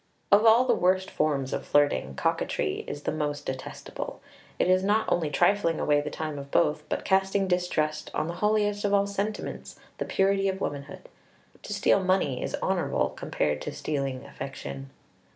Of all the worst forms of flirting, coquetry is the most detestable. It is not only trifling away the time of both, but casting distrust on the holiest of all sentiments, the purity of womanhood. To steal money is honorable compared to stealing affection.